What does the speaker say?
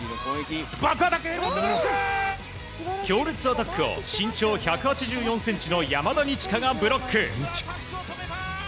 強烈アタックを身長１８４ｃｍの山田二千華がブロック。